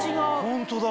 ホントだ！